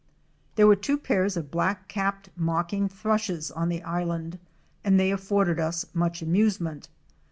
There were two pairs of Black capped Mocking thrushes on the island and they afforded us much amusement.